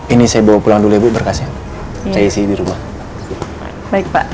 ini saya bawa pulang dulu ibu berkasnya isi di rumah baik pak